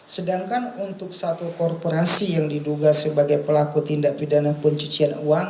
sedangkan untuk satu korporasi yang diduga sebagai pelaku tindak pidana pencucian uang